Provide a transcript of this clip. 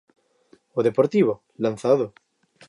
O Deportivo, lanzado.